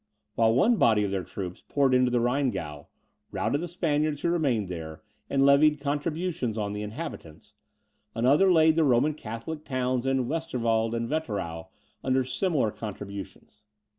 While one body of their troops poured into the Rheingau, routed the Spaniards who remained there, and levied contributions on the inhabitants, another laid the Roman Catholic towns in Westerwald and Wetterau under similar contributions.